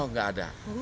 oh gak ada